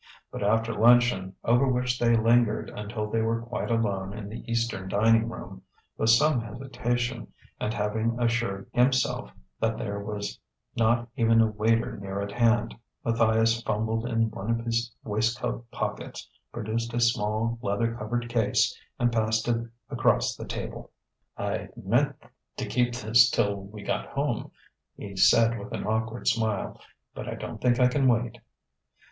But after luncheon over which they lingered until they were quite alone in the eastern dining room with some hesitation, and having assured himself that there was not even a waiter near at hand, Matthias fumbled in one of his waistcoat pockets, produced a small leather covered case, and passed it across the table. "I'd meant to keep this till we got home," he said with an awkward smile. "But I don't think I can wait...."